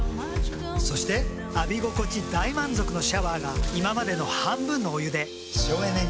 そして浴び心地大満足のシャワーが今までの半分のお湯で省エネに。